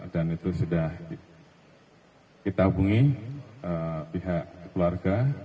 dan itu sudah kita hubungi pihak keluarga